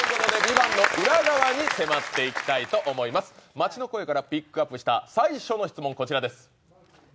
街の声からピックアップした最初の質問、こちらです。